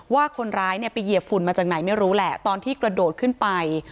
ว่าคนร้ายเนี่ยไปเหยียบฝุ่นมาจากไหนไม่รู้แหละตอนที่กระโดดขึ้นไป